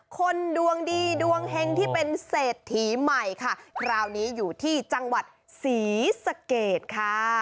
คนดวงดีดวงเฮงที่เป็นเศรษฐีใหม่ค่ะคราวนี้อยู่ที่จังหวัดศรีสะเกดค่ะ